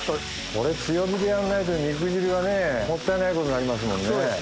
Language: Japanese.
これ強火でやんないと肉汁がねもったいないことになりますもんね。